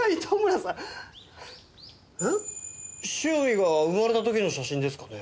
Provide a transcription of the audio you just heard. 汐見が生まれた時の写真ですかね？